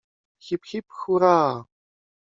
Hip, hip, hura!